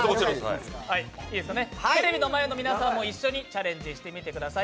テレビの前の皆さんも一緒にチャレンジしてみてください。